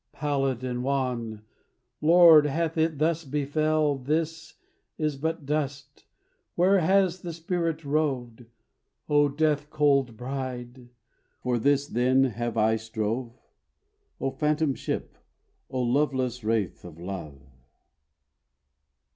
Pallid, and wan! Lord, hath it thus befell This is but dust; where has the spirit roved? O death cold bride! for this, then, have I strove? O phantom ship, O loveless wraith of Love!"